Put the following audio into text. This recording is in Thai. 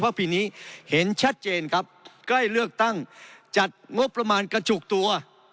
เพราะปีนี้เห็นชัดเจนครับใกล้เลือกตั้งจัดงบประมาณกระจุกตัว